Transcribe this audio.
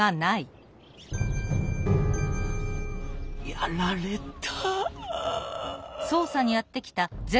やられた。